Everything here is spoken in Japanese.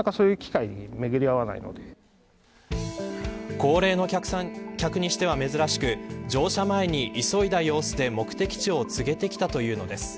高齢の客にしては珍しく乗車前に急いだ様子で目的地を告げてきたというのです。